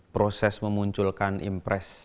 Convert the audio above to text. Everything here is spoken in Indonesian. proses memunculkan impres